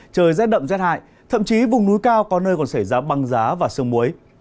trời rét đậm rét hại thậm chí vùng núi cao có nơi còn xảy ra băng giá và sương muối